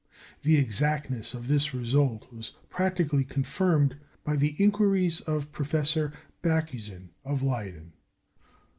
The exactness of this result was practically confirmed by the inquiries of Professor Bakhuyzen of Leyden.